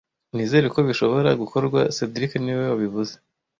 Nizera ko bishobora gukorwa cedric niwe wabivuze